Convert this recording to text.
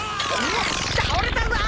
よし倒れたぞ！